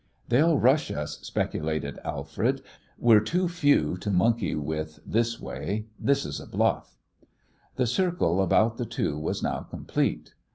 "They'll rush us," speculated Alfred. "We're too few to monkey with this way. This is a bluff." The circle about the two was now complete.